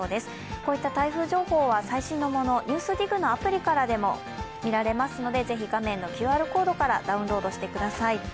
こういった台風情報は最新のもの、「ＮＥＷＳＤＩＧ」のアプリからでも見られますのでぜひ画面のＱＲコードからダウンロードしてください。